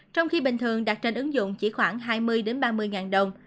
trong khi bình thường đặt trên ứng dụng chỉ khoảng hai mươi ba mươi ngàn đồng